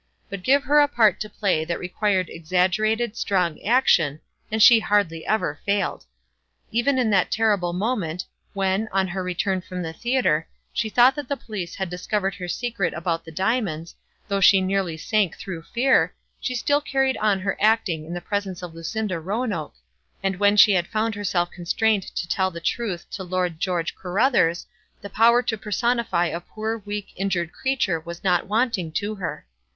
But give her a part to play that required exaggerated, strong action, and she hardly ever failed. Even in that terrible moment, when, on her return from the theatre, she thought that the police had discovered her secret about the diamonds, though she nearly sank through fear, she still carried on her acting in the presence of Lucinda Roanoke; and when she had found herself constrained to tell the truth to Lord George Carruthers, the power to personify a poor, weak, injured creature was not wanting to her.